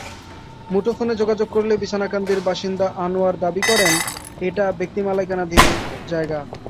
মুঠোফোনে যোগাযোগ করলে বিছনাকান্দির বাসিন্দা আনোয়ার দাবি করেন, এটা ব্যক্তিমালিকানাধীন জায়গা।